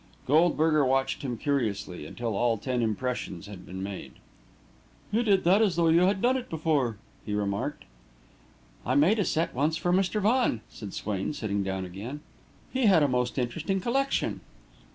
Goldberger watched him curiously, until all ten impressions had been made. "You did that as though you had done it before," he remarked. "I made a set once for Mr. Vaughan," said Swain, sitting down again. "He had a most interesting collection."